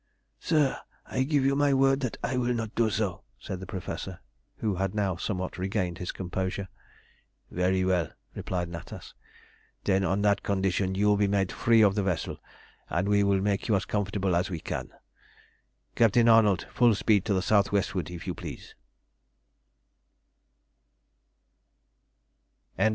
"Sir, I give you my word that I will not do so," said the Professor, who had now somewhat regained his composure. "Very well," replied Natas. "Then on that condition you will be made free of the vessel, and we will make you as comfortable as we can. Captain Arnold, full speed to the south westward, if you please."